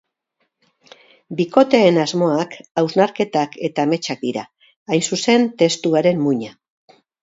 Bikoteen asmoak, hausnarketak eta ametsak dira, hain zuzen, testuaren muina.